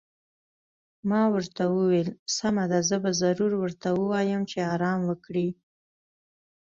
ما ورته وویل: سمه ده، زه به ضرور ورته ووایم چې ارام وکړي.